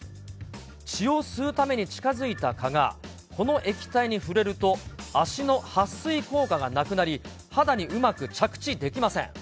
血を吸うために近づいた蚊が、この液体に触れると、足のはっ水効果が亡くなり、肌にうまく着地できません。